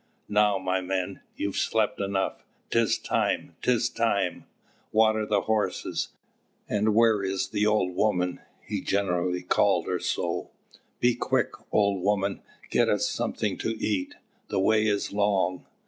"Now, my men, you've slept enough! 'tis time, 'tis time! Water the horses! And where is the old woman?" He generally called his wife so. "Be quick, old woman, get us something to eat; the way is long."